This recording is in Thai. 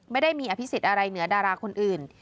ไม่ได้มีอภิษฎอะไรเหนือดาราคนอื่น